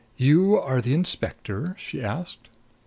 "You are the inspector?" she asked.